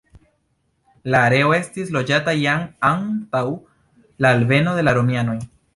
La areo estis loĝata jam antaŭ la alveno de la romianoj.